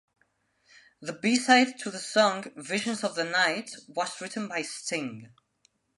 The B-side to the song, "Visions of the Night," was written by Sting.